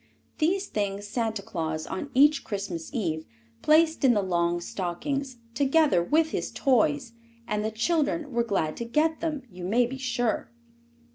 These things Santa Claus, on each Christmas Eve, placed in the long stockings, together with his toys, and the children were glad to get them, you may be sure.